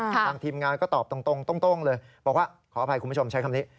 ทางทีมงานก็ตอบตรงเลยบอกว่าขออภัยคุณผู้ชมใช้คำนี้